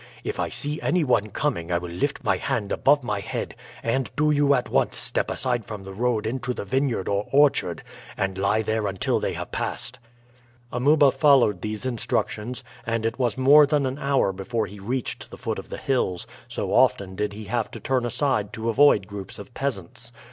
If I see any one coming I will lift my hand above my head, and do you at once step aside from the road into the vineyard or orchard, and lie there until they have passed." Amuba followed these instructions, and it was more than an hour before he reached the foot of the hills, so often did he have to turn aside to avoid groups of peasants.